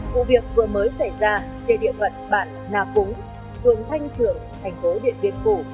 vụ việc vừa mới xảy ra trên địa phận bạn nà cúng phường thanh trường thành phố điện biệt củ